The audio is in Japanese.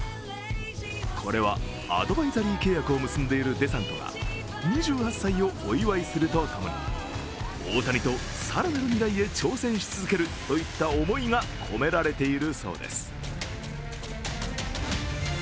これはアドバイザリー契約を結んでいるデサントが２８歳をお祝いすると共に大谷と更なる未来へ挑戦し続けるといった思いが込められているそうです。